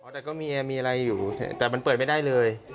แต่ก็มีแอร์มีอะไรอยู่แต่มันเปิดไม่ได้เลย